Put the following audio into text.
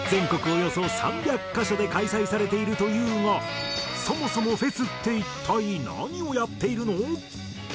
およそ３００カ所で開催されているというがそもそもフェスって一体何をやっているの？